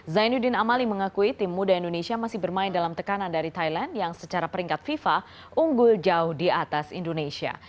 zainuddin amali mengakui tim muda indonesia masih bermain dalam tekanan dari thailand yang secara peringkat fifa unggul jauh di atas indonesia